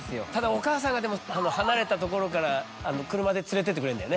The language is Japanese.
お母さんが離れたところから車で連れてってくれるんだよね。